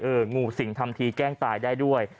งูสิงทำทีแกล้งตายได้ด้วย